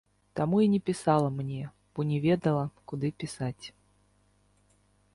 Таму і не пісала мне, бо не ведала, куды пісаць.